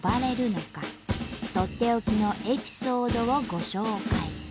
とっておきのエピソードをご紹介。